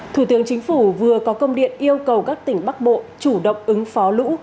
thủ tướng chính phủ vừa có công điện yêu cầu các tỉnh bắc bộ chủ động ứng phó lũ